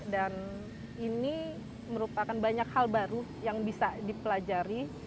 dan ini merupakan banyak hal baru yang bisa dipelajari